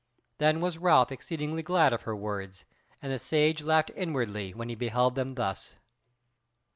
Then was Ralph exceeding glad of her words, and the Sage laughed inwardly when he beheld them thus.